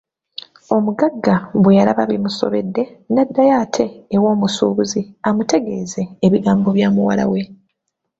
Omugagga bwe yalaba bimusobedde n’addayo ate ew’omusuubuzi amutegeeze ebigambo bya muwala we.